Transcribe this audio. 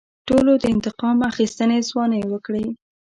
ټولو د انتقام اخیستنې ځوانۍ وکړې.